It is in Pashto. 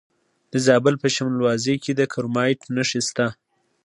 د زابل په شمولزای کې د کرومایټ نښې شته.